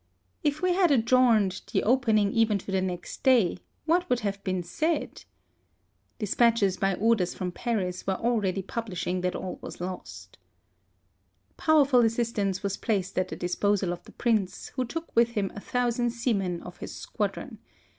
If we had adjourned the opening even to the next day, w^hat would have been said ? Despatches by orders from Paris were already publishing that all was lost. Powerful assistance was placed at the disposal of the Prince, who took with him a thousand seamen of his squadron.